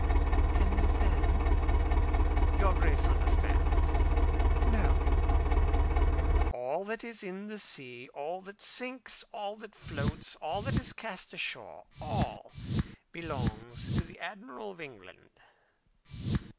"And then?" "Your Grace understands." "No." "All that is in the sea, all that sinks, all that floats, all that is cast ashore all belongs to the Admiral of England."